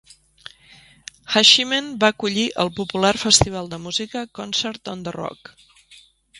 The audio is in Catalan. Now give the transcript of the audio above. Hachimen va acollir el popular festival de música Concert on the Rock.